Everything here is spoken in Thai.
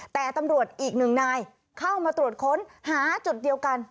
แต่ตำรวจอีกหนึ่งนายเข้ามาตรวจค้นหาจุดเดียวกัน